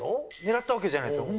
狙ったわけじゃないですよ。